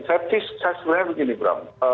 saya selalu begini bram